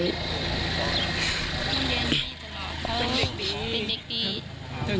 เป็นเด็กดี